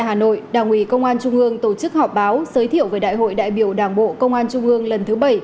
hà nội đảng ủy công an trung ương tổ chức họp báo giới thiệu về đại hội đại biểu đảng bộ công an trung ương lần thứ bảy